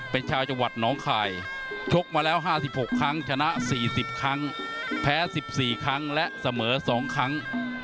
เป็นชาวจังหวัดน้องคายชกมาแล้ว๕๖ครั้งชนะ๔๐ครั้งแพ้๑๔ครั้งและเสมอ๒ครั้ง